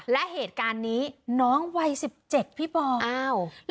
และเหตุการณ์นี้น้องวัยสิบเจ็ดพี่บอร์